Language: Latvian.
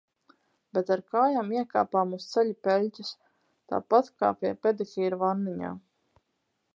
Bet ar kājām iekāpām uz ceļa peļķes. Tāpat kā pie pedikīra vanniņā.